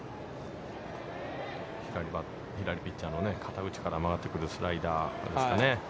左ピッチャーの肩口から回ってくるスライダーですね。